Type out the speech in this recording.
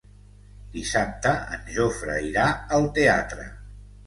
Dissabte en Jofre irà al teatre.